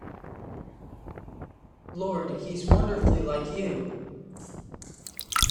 Lord, he's wonderfully like you!